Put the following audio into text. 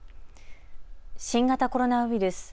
新型コロナウイルス。